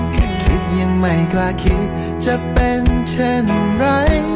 แค่คิดยังไม่กล้าคิดจะเป็นเช่นไร